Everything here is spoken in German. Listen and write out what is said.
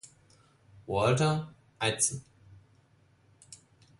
Walther Eitzen.